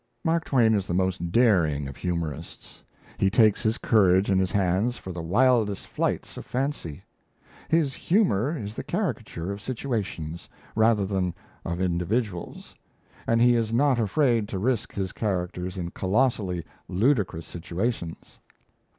Mark Twain is the most daring of humorists. He takes his courage in his hands for the wildest flights of fancy. His humour is the caricature of situations, rather than of individuals; and he is not afraid to risk his characters in colossally ludicrous situations.